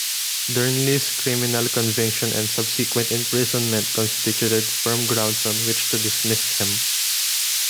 Dernley's criminal conviction and subsequent imprisonment constituted firm grounds on which to dismiss him.